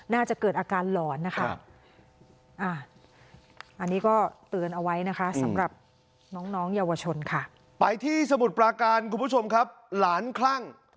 น่าจะเกิดอาการหล่อนอันนี้ก็เตือนเอาไว้สำหรับน้องเยาวชนค่ะ